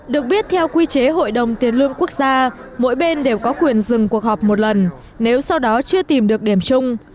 được biết theo quy chế hội đồng tiền lương quốc gia mỗi bên đều có quyền dừng cuộc họp một lần nếu sau đó chưa tìm được điểm chung